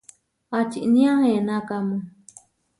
¿Ačinía enakámu?